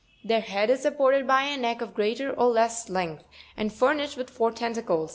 Their head is supported by a neck of greater or less length, and furnished with four tentacles (fig.